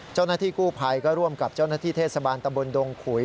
เจ้าหน้าที่กู้ภัยก็ร่วมกับเจ้าหน้าที่เทศบาลตำบลดงขุย